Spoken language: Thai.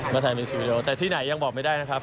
มาถ่ายมิวสวีดีโอแต่ที่ไหนยังบอกไม่ได้นะครับ